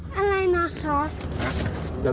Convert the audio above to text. อะไรมาคะ